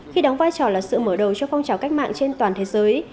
khi đóng vai trò là sự mở đầu cho phong trào cách mạng trên toàn thế giới